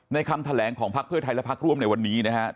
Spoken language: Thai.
คำแถลงของพักเพื่อไทยและพักร่วมในวันนี้นะครับ